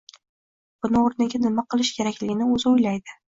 Buni oʻrniga, nima qilish kerakligini oʻzi oʻylaydi.